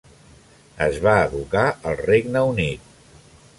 Es va educar al Regne Unit.